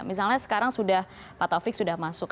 misalnya sekarang sudah patofik sudah masuk